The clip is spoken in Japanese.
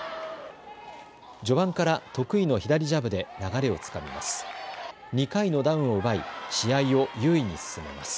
序盤から得意の左ジャブで流れをつかみます。